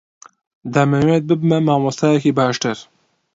دەمەوێت ببمە مامۆستایەکی باشتر.